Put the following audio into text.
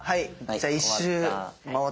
じゃあ１周回ったね。